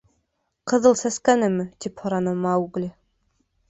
— Ҡыҙыл Сәскәнеме? — тип һораны Маугли.